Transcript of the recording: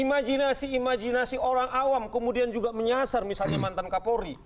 imajinasi imajinasi orang awam kemudian juga menyasar misalnya mantan kapolri